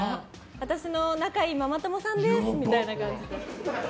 私の仲いいママ友さんですみたいな。